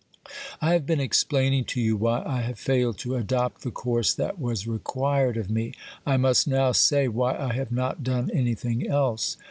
I have been explaining to you why I have failed to adopt the course that was required of me; I must now say why I have not done anything else.